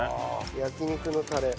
焼肉のタレ。